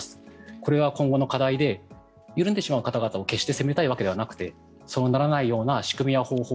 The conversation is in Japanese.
これが今後の課題で緩んでしまう方々を責めたいわけではなくてそうならないように仕組みや方法